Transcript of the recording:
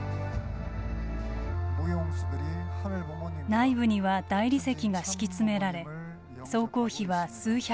内部には大理石が敷き詰められ総工費は数百億円。